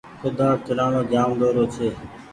ڪوۮآڙ چلآڻو ڏورو ڇي۔